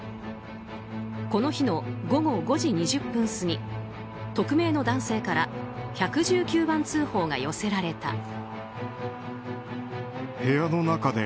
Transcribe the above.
この日の午後５時２０分過ぎ匿名の男性から１１９番通報が寄せられた。